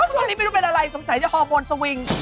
ช่วงนี้ไม่รู้เป็นอะไรสงสัยจะฮอร์โมนสวิง